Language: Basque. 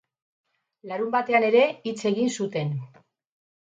Larunbatean ere hitz egin zuten.